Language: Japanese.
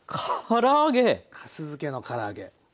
かす漬けのから揚げ。